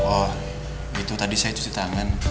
oh itu tadi saya cuci tangan